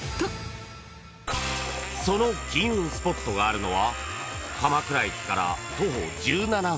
［その金運スポットがあるのは鎌倉駅から徒歩１７分］